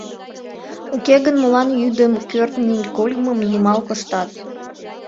Уке гын молан йӱдым кӱртньыгольмым нумал коштат?